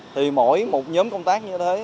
thì mỗi một nhóm công tác như thế